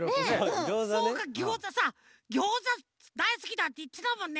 そうかぎょうざさぎょうざだいすきだっていってたもんね。